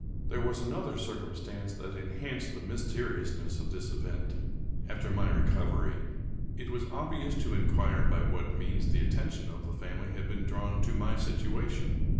There was another circumstance that enhanced the mys teriousness of this event. After my recovery, it was ob vious to inquire by what means the attention of the family had been drawn to my situation.